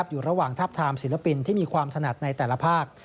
อยู่ระหว่างทับทามศิลปินที่มีความถนัดในแต่ละภาค